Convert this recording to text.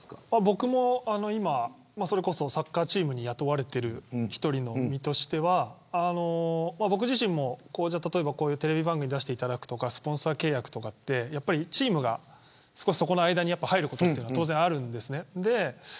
僕も今サッカーチームに雇われている１人として僕自身もテレビ番組に出していただくとかスポンサー契約とかってチームが、そこの間に入ることが当然あるんです。